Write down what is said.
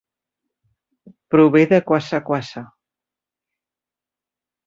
Prové de kwassa kwassa.